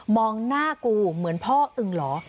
มองหน้ากูเหมือนพ่ออึงเหรอ